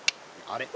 あれ？